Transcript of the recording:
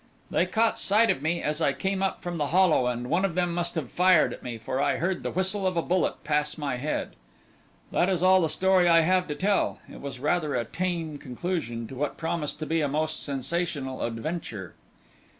They caught sight of me as I came up from the hollow, and one of them must have fired at me, for I heard the whistle of a bullet pass my head. That is all the story I have to tell. It was rather a tame conclusion to what promised to be a most sensational adventure."